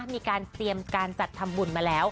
มีการเตรียมการจัดทำบุญมาแล้ว